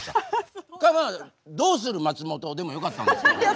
かまあ「どうする松本」でもよかったんですけども。